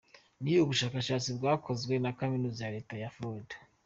Ni ubushakashatsi bwakozwe na Kaminuza ya Leta ya Florida.